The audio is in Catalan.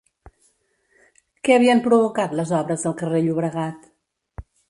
Què havien provocat les obres al carrer Llobregat?